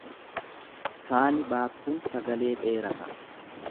Saani baakkuun sagalee dheerata.